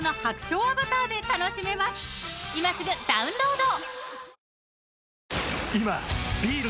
［今すぐダウンロード！］